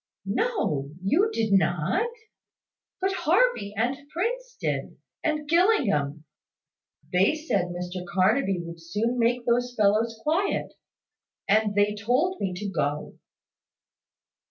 "No; you did not: but Harvey and Prince did, and Gillingham. They said Mr Carnaby would soon make those fellows quiet; and they told me to go."